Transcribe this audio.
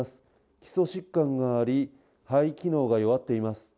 基礎疾患があり、肺機能が弱ってます。